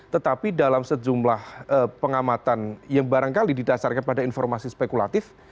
tetapi dalam sejumlah pengamatan yang barangkali didasarkan pada informasi spekulatif